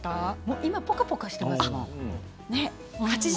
今ポカポカしています。